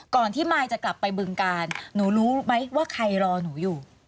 ก่อนที่มายจะกลับไปบึงการหนูรู้ไหมว่าใครรอหนูอยู่